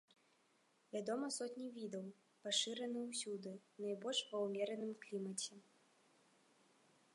Вядома сотні відаў, пашыраны ўсюды, найбольш ва ўмераным клімаце.